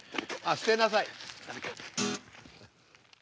捨てなさい。